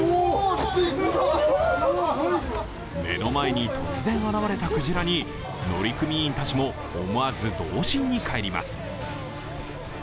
目の前に突然現れたクジラに乗組員たちも思わず童心に返ります。